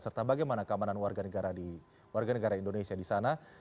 serta bagaimana keamanan warga negara indonesia di sana